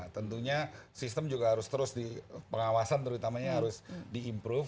tentunya sistem juga harus terus di pengawasan terutamanya harus di improve